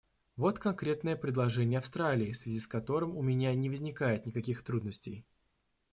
Вот конкретное предложение Австралии, в связи с которым у меня не возникает никаких трудностей.